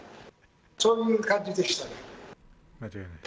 そういう感じでしたね。